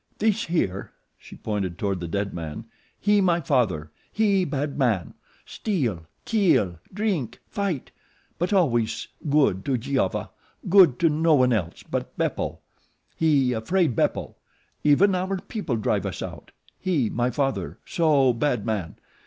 This here," she pointed toward the dead man, "he my father. He bad man. Steal; kill; drink; fight; but always good to Giova. Good to no one else but Beppo. He afraid Beppo. Even our people drive us out he, my father, so bad man.